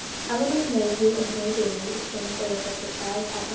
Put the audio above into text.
Elinor Mayhew and May Bailey exchanged a look of surprised apprehension.